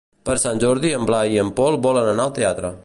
Per Sant Jordi en Blai i en Pol volen anar al teatre.